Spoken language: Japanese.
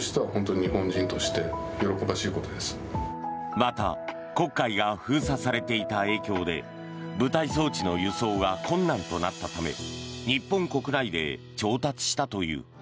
また黒海が封鎖されていた影響で舞台装置の輸送が困難となったため日本国内で調達したという。